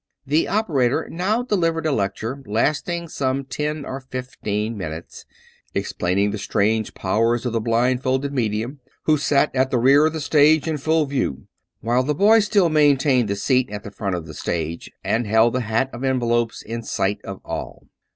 The operator now delivered a lecture, lasting some ten or fifteen minutes, explaining the strange powers of the blindfolded medium, who sat at the rear of the stage in full view; while the boy still maintained the seat at the front of the stage, and held the hat of envelopes in sight of all.